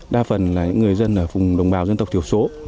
đa phần là những người dân ở vùng đồng bào dân tộc thiểu số